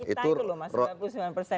kita itu loh mas sembilan puluh sembilan persen